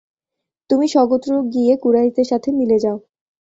তুমি সগোত্র গিয়ে কুরাইশদের সাথে মিলে যাও।